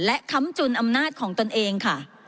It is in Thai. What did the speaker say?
และค้ำจุนอำนาจของตนเองค่ะ